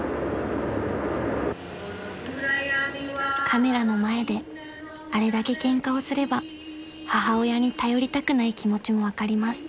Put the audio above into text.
［カメラの前であれだけケンカをすれば母親に頼りたくない気持ちも分かります］